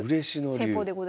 戦法でございます。